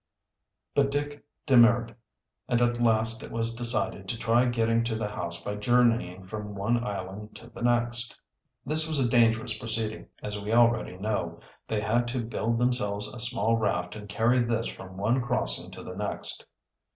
But Dick demurred and at last it was decided to try getting to the house by journeying from one island to the next. This was a dangerous proceeding, as we already know. They had to build themselves a small raft and carry this from one crossing to the next.